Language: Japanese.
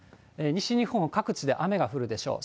西日本、各地で雨が降るでしょう。